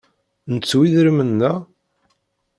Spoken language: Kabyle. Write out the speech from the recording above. Nettu idrimen-nneɣ?